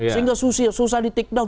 sehingga susah di takedown